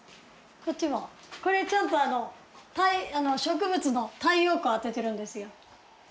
こっちもこれちゃんと植物の太陽光当ててるんですよ